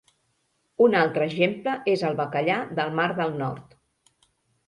Un altre exemple és el bacallà del mar del Nord.